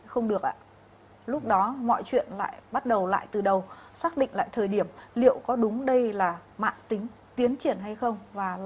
không được ạ lúc đó mọi chuyện lại bắt đầu lại từ đầu xác định lại thời điểm liệu có đúng đây là mạng tính tiến triển hay không